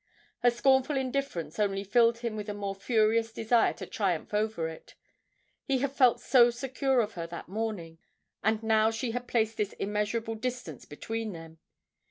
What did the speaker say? Her scornful indifference only filled him with a more furious desire to triumph over it; he had felt so secure of her that morning, and now she had placed this immeasurable distance between them.